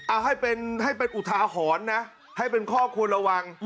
เอาให้เป็นอุทาหรณ์นะให้เป็นข้อควรระวัง